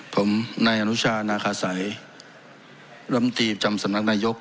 ผมณอนุชาณคาใสรัมตีบจำสนักนายยก